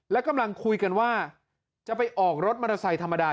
แล้วกำลังคุยกันว่าจะไปออกรถมรสัยธรรมดา